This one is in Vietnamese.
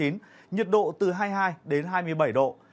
nhiệt độ từ hai mươi hai đến hai mươi bảy độ